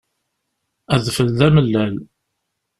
Adfel d amellal.